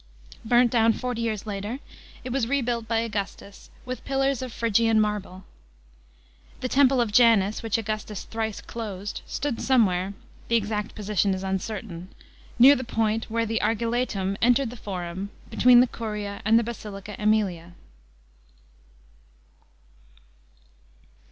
Burnt down forty years later, it was rebuilt by Augustus, with pillars ot Phrygian marble. The Temple of Janus, which Augustus thrice closed, stood somewhere — the exact position is uncertain — aear the point whete the Ar iletum entered the Forum, between the Curia and the Basilica ^Emilia.